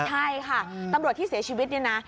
ใช่ค่ะตำรวจที่เสียชีวิตเนี่ยนะ